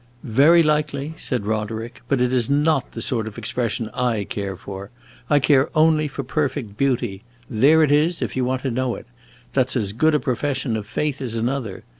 "Very likely," said Roderick. "But it is not the sort of expression I care for. I care only for perfect beauty. There it is, if you want to know it! That 's as good a profession of faith as another.